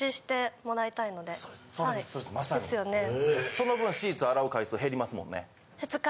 その分シーツ洗う回数減りますもんね。